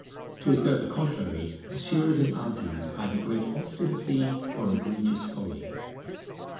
To assert the contrary assuredly argues either great obstinacy or egregious folly.